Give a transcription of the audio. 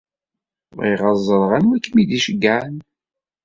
Bɣiɣ ad ẓreɣ anwa i kem-id-iceyyɛen.